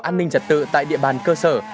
an ninh trật tự tại địa bàn cơ sở